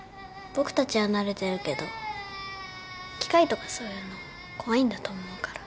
僕たちは慣れてるけど機械とかそういうの怖いんだと思うから。